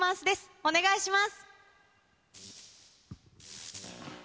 お願いします。